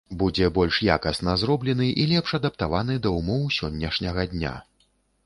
Будзе больш якасна зроблены і лепш адаптаваны да ўмоў сённяшняга дня.